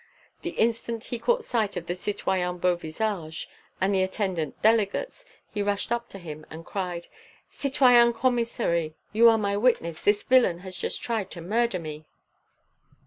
The instant he caught sight of the citoyen Beauvisage and the attendant delegates, he rushed up to him and cried: "Citoyen Commissary you are my witness, this villain has just tried to murder me."